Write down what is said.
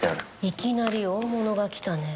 いきなり大物がきたね。